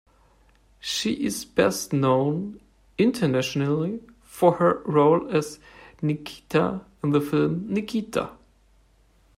She is best known internationally for her role as Nikita in the film "Nikita".